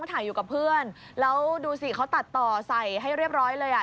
ถ่ายอยู่กับเพื่อนแล้วดูสิเขาตัดต่อใส่ให้เรียบร้อยเลยอ่ะ